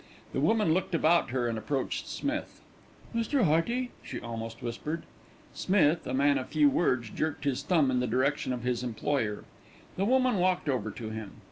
The woman looked about her and approached Smith. "Mr. Hearty?" she almost whispered. Smith, a man of few words, jerked his thumb in the direction of his employer. The woman walked over to him.